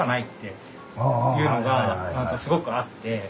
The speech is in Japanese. っていうのがすごくあって。